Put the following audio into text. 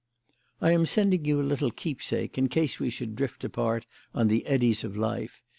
"I am sending you a little keepsake in case we should drift apart on the eddies of life.